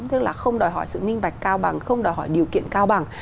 tức là không đòi hỏi sự minh bạch cao bằng không đòi hỏi điều kiện cao bằng